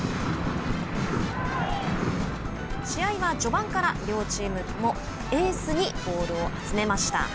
試合は序盤から両チームともエースにボールを集めました。